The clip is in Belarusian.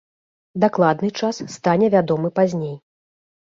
Дакладны час стане вядомым пазней.